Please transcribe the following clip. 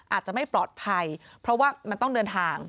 อาจจะไม่ปลอดภัยเพราะว่ามันต้องเดินทาง